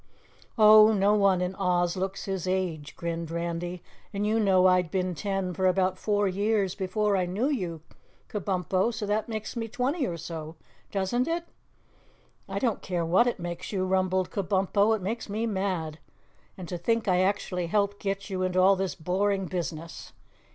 "Oh, no one in Oz looks his age," grinned Randy, "and you know I'd been ten for about four years before I knew you, Kabumpo, so that makes me twenty or so, doesn't it?" "I don't care what it makes you," rumbled Kabumpo, "it makes me mad. And to think I actually helped get you into all this boring business.